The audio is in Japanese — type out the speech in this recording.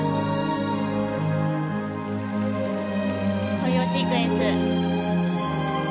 コレオシークエンス。